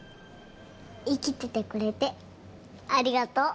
生きててくれてありがとう。